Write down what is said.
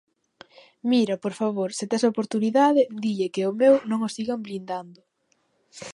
Mira, por favor, se tes oportunidade, dille que o meu non o sigan blindando.